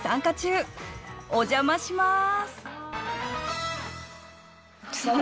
お邪魔します